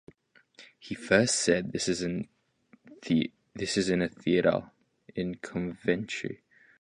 He first said this in a theatre in Coventry.